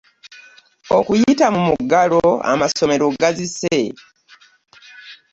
okuyita mu mugalo amasomero gazise